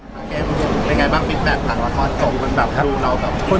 เป็นยังไงบ้างฟิตแบบต่างละครจบมันแบบดูเราแบบคน